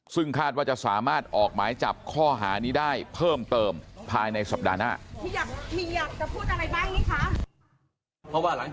ซึ่งคาดว่าจะสามารถออกหมายจับข้อหานี้ได้เพิ่มเติมภายในสัปดาห์หน้า